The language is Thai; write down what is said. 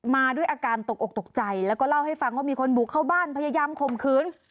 มาด้วยอาการตกอกตกใจแล้วก็เล่าให้ฟังว่ามีคนบุกเข้าบ้านพยายามข่มขืน